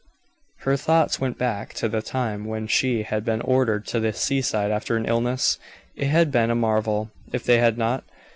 Her thoughts went back to the time when she had been ordered to the seaside after an illness. It had been a marvel if they had not.